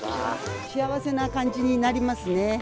幸せな感じになりますね。